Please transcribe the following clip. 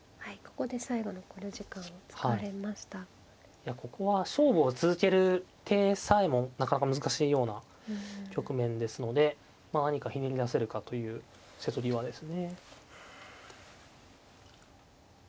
いやここは勝負を続ける手さえもなかなか難しいような局面ですのでまあ何かひねり出せるかという瀬戸際ですね。